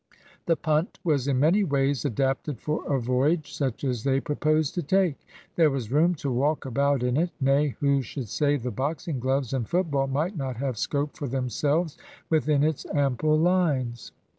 The punt was in many ways adapted for a voyage such as they proposed to take. There was room to walk about in it. Nay, who should say the boxing gloves and football might not have scope for themselves within its ample lines?